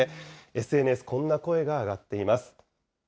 ＳＮＳ、こんな声が上がっています。